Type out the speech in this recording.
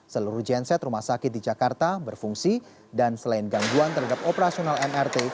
seluruh genset rumah sakit di jakarta berfungsi dan selain gangguan terhadap operasional mrt